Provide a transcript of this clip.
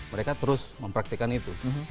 mereka terus mempraktikkan itu